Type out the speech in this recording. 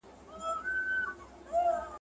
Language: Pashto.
چي نې غواړم مې راوينې.